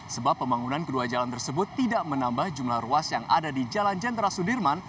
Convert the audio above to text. sebab pembangunan kedua jalan tersebut tidak menambah jumlah ruas yang ada di jalan jenderal sudirman